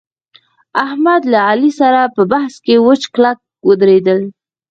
احمد له علي سره په بحث کې وچ کلک ودرېدل